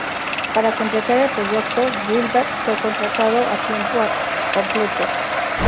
Para completar el proyecto, Gilbert fue contratado a tiempo completo.